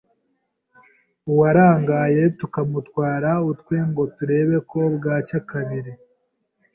uwarangaye tukamutwara utwe ngo turebe ko bwacya kabiri.